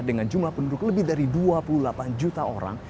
dengan jumlah penduduk lebih dari dua puluh delapan juta orang